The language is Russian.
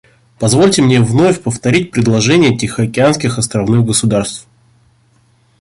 Позвольте мне вновь повторить предложения тихоокеанских островных государств.